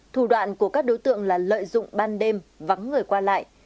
thủ đoạn của các đối tượng là lợi dụng ban đêm vắng người qua lại